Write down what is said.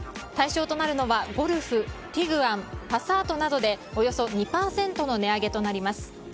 対象となるのはゴルフ、ティグワンパサートなどでおよそ２％の値上げとなります。